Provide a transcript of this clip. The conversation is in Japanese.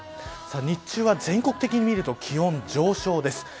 日中は全国的に見ると気温上昇です。